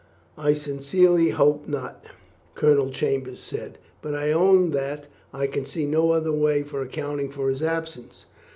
"I sincerely hope not," Colonel Chambers said; "but I own that I can see no other way for accounting for his absence.